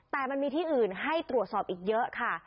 แต่มันมีที่อื่นให้ตรวจสอบอีกเยอะค่ะ